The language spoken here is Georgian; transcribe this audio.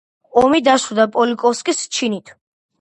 ომი დაასრულა პოლკოვნიკის ჩინით.